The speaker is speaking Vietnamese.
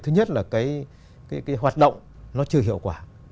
thứ nhất là cái hoạt động nó chưa hiệu quả